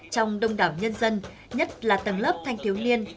trong đông đảo nhân dân nhất là tầng lớp thanh thiếu niên